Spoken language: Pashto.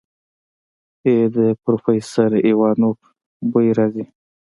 ای د پروفيسر ايوانوف بوئ راځي.